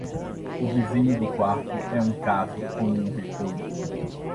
O vizinho do quarto é um caso como um repolho.